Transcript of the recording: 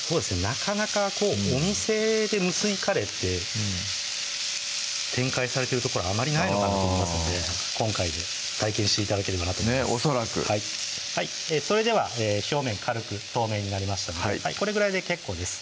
なかなかお店で無水カレーって展開されてる所あまりないのかなと思いますので今回で体験して頂けるかなとねぇ恐らくそれでは表面軽く透明になりましたのでこれぐらいで結構です